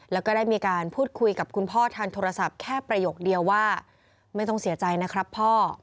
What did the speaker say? แล้วก็ได้มีการพูดคุยกับคุณพ่อทางโทรศัพท์แค่ประโยคเดียวว่าไม่ต้องเสียใจนะครับพ่อ